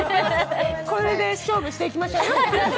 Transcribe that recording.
これで勝負していきましょうね。